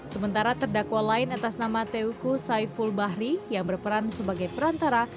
sementara terdakwa lain atas nama teuku saiful bahri yang berperan sebagai perantara